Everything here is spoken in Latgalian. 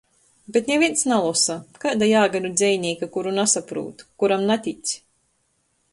Bet nivīns nalosa. Kaida jāga nu dzejnīka, kuru nasaprūt, kuram natic?